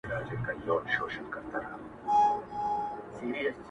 تر شا مي زر نسلونه پایېدلې _ نور به هم وي _